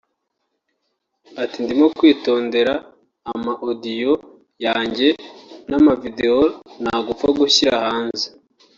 Ati “ Ndimo kwitondera ama audio yanjye na video nta gupfa gushyira hanze